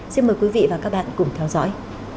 xin mời quý vị và các bạn cùng theo dõi